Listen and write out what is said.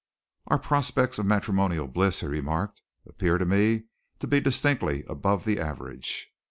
"Our prospects of matrimonial bliss," he remarked, "appear to me to be distinctly above the average."